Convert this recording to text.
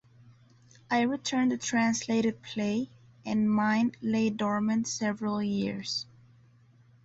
I returned the translated play, and mine lay dormant several years.